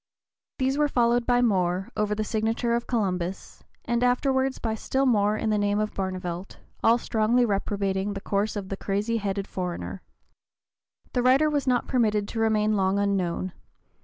These were followed by more, over the signature of Columbus, and afterward by still more in the name of Barnevelt, all strongly reprobating the course of the crazy headed foreigner. The writer was not permitted to remain long unknown.